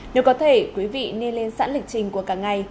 nếu có thể quý vị nên lên sẵn lịch trình của cả ngày